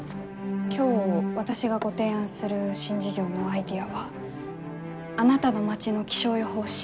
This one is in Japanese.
今日私がご提案する新事業のアイデアは「あなたの町の気象予報士